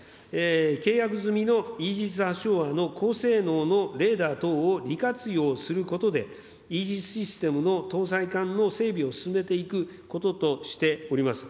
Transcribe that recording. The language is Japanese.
契約済みのイージス・アショアの高性能のレーダー等を利活用することで、イージス・システムの搭載艦の整備を進めていくこととしております。